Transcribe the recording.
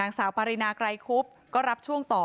สาวปรินาไกรคุบก็รับช่วงต่อ